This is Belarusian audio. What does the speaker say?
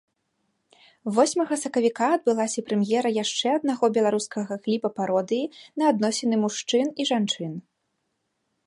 Восьмага сакавіка адбылася прэм'ера яшчэ аднаго беларускага кліпа-пародыі на адносіны мужчын і жанчын.